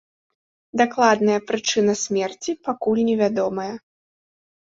Дакладная прычына смерці пакуль невядомая.